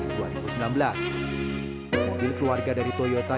mobil keluarga dari toyota yang ditandai dengan nilai kecil